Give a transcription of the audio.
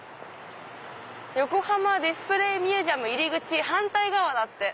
「横浜ディスプレイミュージアム入口反対側」だって！